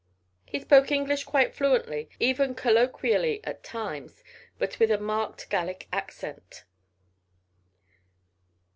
He spoke English quite fluently, even colloquially at times, but with a marked Gallic accent.